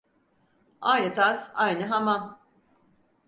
Aynı tas aynı hamam.